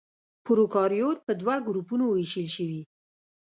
پروکاريوت په دوه ګروپونو وېشل شوي.